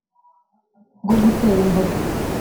bwo gutera imboga.